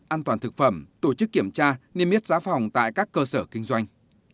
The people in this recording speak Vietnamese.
an toàn thực phẩm tổ chức kiểm tra niêm yết giá phòng tại các cơ sở kinh doanh